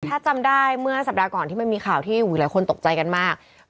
ถ้าจำได้เมื่อสัปดาห์ก่อนที่มันมีข่าวที่หลายคนตกใจกันมาก